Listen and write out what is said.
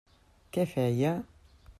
Què feia?